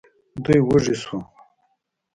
دوی وږي شوو.